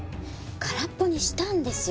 空っぽにしたんですよ。